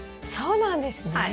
そうなんですね。